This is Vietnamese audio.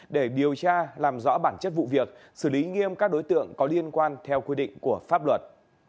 để điều tra làm rõ bản chất vụ việc xử lý nghiêm các đối tượng có liên quan theo quy định của pháp luật